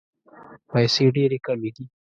پیسې ډېري کمي دي.